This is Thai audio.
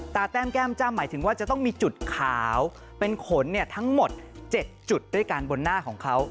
แต้มแก้มจ้ำหมายถึงว่าจะต้องมีจุดขาวเป็นขนทั้งหมด๗จุดด้วยกันบนหน้าของเขา